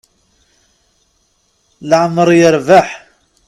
Leɛmer yerbeḥ.